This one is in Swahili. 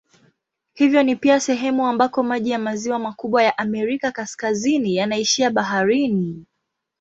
Hivyo ni pia sehemu ambako maji ya maziwa makubwa ya Amerika Kaskazini yanaishia baharini.